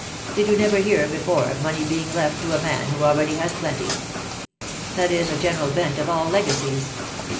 " Did you never hear before of money being left to a man who already has plenty ? That is the general bent of all legacies.